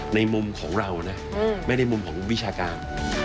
มุมของเรานะไม่ได้มุมของวิชาการ